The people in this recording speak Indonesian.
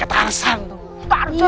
intinya ga baik makanya